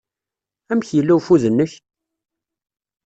Amek yella ufud-nnek?